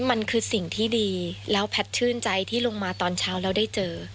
มันคือสิ่งที่ดีแล้วแพทย์ชื่นใจที่ลงมาตอนเช้าแล้วได้เจอ